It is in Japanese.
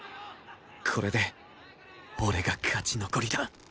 これで俺が勝ち残りだ